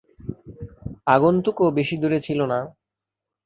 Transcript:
আগন্তুকও বেশি দূরে ছিল না।